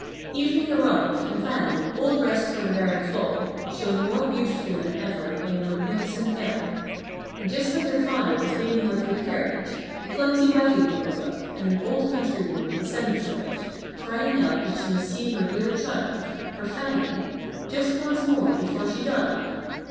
Evening arrived, and Fannie, all dressed for the Baron's ball, shone more beautifully than ever in her magnificent gown. And just as her father was leading her to the carriage, a clumsy wagon drove up, and an old countrywoman descended from it, crying out that she must see her dear child her Fannie just once more before she died.